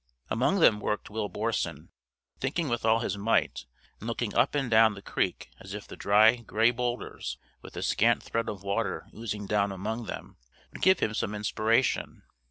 Among them worked Will Borson, thinking with all his might and looking up and down the creek as if the dry gray boulders, with the scant thread of water oozing down among them, would give him some inspiration.